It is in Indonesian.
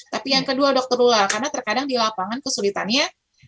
tapi yang kedua dokter lula karena terkadang di lapangan kesulitannya